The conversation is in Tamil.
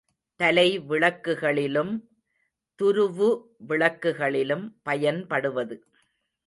தலை விளக்குகளிலும் துருவுவிளக்குகளிலும் பயன்படுவது.